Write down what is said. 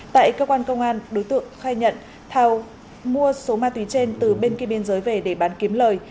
tại cơ quan công an đối tượng khai nhận thao mua số ma túy trên từ bên kia biên giới về để bán kiếm lời